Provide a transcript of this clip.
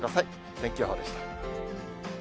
天気予報でした。